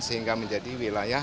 sehingga menjadi wilayah